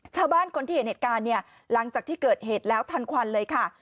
ชาวบ้านคนที่เห็นเหตุการณ์เนี่ยหลังจากที่เกิดเหตุแล้วทันควันเลยค่ะ